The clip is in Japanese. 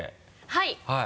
はい。